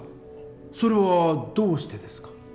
それはどうしてですか？